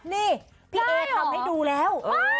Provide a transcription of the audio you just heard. นี่พี่เอทำให้ดูแล้ว